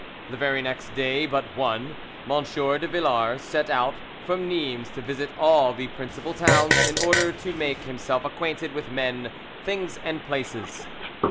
The very next day but one, M. de Villars set out from Nimes to visit all the principal towns, in order to make himself acquainted with men, things, and places.